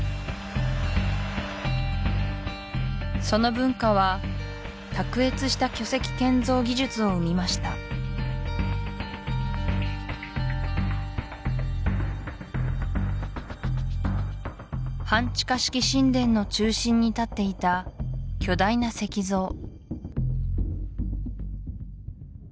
その文化は卓越した巨石建造技術を生みました半地下式神殿の中心に立っていた巨大な石像